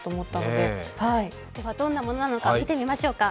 では、どんなものなのか見てみましょうか。